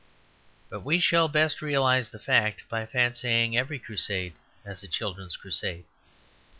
But we shall best realize the fact by fancying every Crusade as a Children's Crusade.